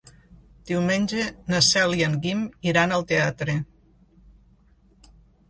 Diumenge na Cel i en Guim iran al teatre.